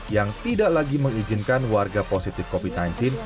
yang tidak lagi mengizinkan warga positif covid sembilan belas